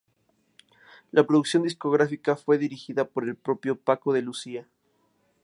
La producción discográfica fue dirigida por el propio Paco de Lucía.